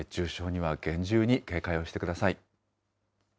熱中症には厳重に警戒をしてください。